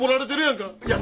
いや。